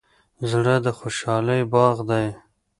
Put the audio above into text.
زړه د خوشحالۍ باغ دی.